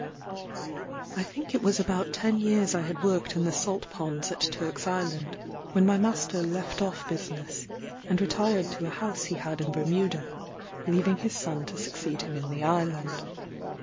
I think it was about ten years I had worked in the salt ponds at Turk's Island, when my master left off business, and retired to a house he had in Bermuda, leaving his son to succeed him in the island.